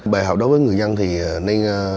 bài học đối với người dân thì nên